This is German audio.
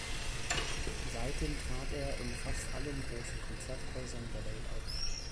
Seitdem trat er in fast allen großen Konzerthäusern der Welt auf.